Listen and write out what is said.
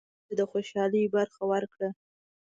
ګاونډي ته د خوشحالۍ برخه ورکړه